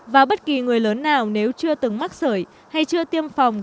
và bất kỳ người lớn nào nếu chưa từng mắc sởi hay chưa tiêm phòng